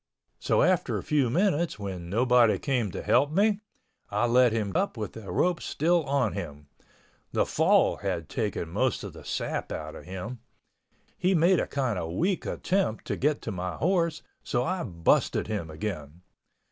So after a few minutes, when nobody came to help me, I let him up with the rope still on him. The fall had taken most of the sap out of him. He made a kind of a weak attempt to get to my horse, so I busted him again.